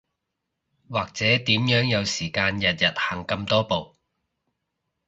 或者點樣有時間日日行咁多步